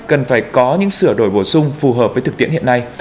cần phải có những sửa đổi bổ sung phù hợp với thực tiễn hiện nay